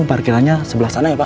parkirannya sebelah sana ya pak